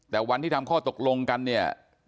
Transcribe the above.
แต่วันที่ทำข้อตกลงกันเนี่ย